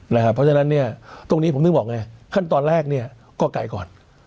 เพราะฉะนั้นเนี่ยตรงนี้ผมต้องบอกไงขั้นตอนแรกเนี่ยก็ไก่ก่อน